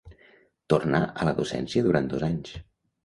Tornà a la docència durant dos anys.